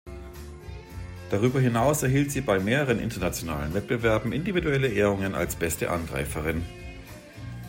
Darüber hinaus erhielt sie bei mehreren internationalen Wettbewerben individuelle Ehrungen als beste Angreiferin.